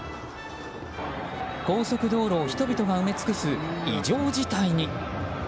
高速道路を人々が埋め尽くす異常事態に。